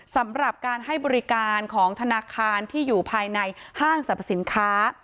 สำหรับการให้บริการของธนาคารที่อยู่ภายในห้างสรรพสินค้า